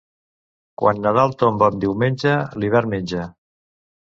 Quan Nadal tomba en diumenge, l'hivern menja.